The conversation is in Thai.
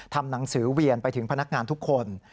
ทำหนังสือเวียนไปถึงพนักงานทุกคน